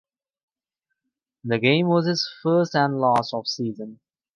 The game was his first and last of season.